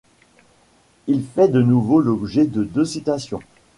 Il fait de nouveau l'objet de deux citations.